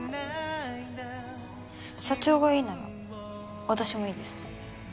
社長がいいなら私もいいです。